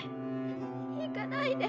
行かないで。